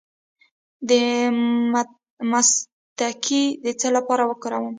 د مصطکي د څه لپاره وکاروم؟